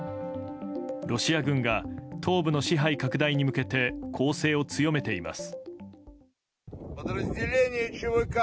ロシア軍が東部の支配拡大に向けて攻勢を強めています。